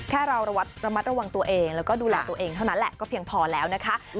แค่เราระมัดระวังตัวเองแล้วก็ดูแลตัวเองเท่านั้นแหละก็เพียงพอแล้วนะคะ